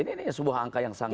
ini sebuah angka yang sangat